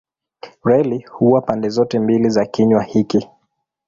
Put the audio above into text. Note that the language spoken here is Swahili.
Reli huwa pande zote mbili za kinywa hiki.